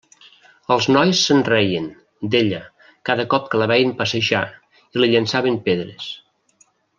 Els nois se'n reien, d'ella, cada cop que la veien passejar, i li llançaven pedres.